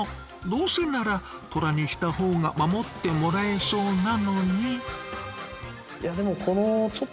どうせならトラにした方が守ってもらえそうなのに。